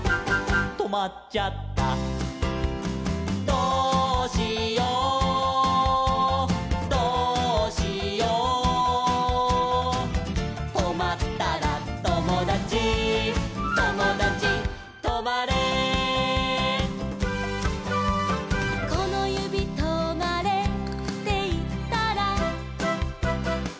「どうしようどうしよう」「とまったらともだちともだちとまれ」「このゆびとまれっていったら」